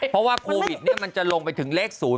เพราะว่าโควิดมันจะลงไปถึงเลข๐